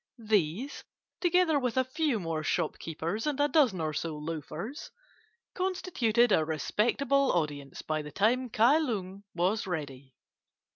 These, together with a few more shopkeepers and a dozen or so loafers, constituted a respectable audience by the time Kai Lung was ready.